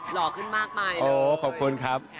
หล่อขึ้นมากไปโอ้ขอบคุณครับ